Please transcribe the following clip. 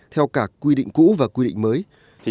theo cả quy định cũ và quy định mới